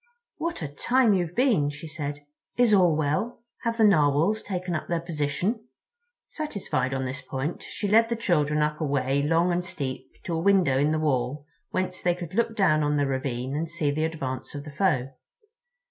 "What a time you've been," she said. "Is all well? Have the Narwhals taken up their position?" Satisfied on this point, she led the children up a way long and steep to a window in the wall whence they could look down on the ravine and see the advance of the foe.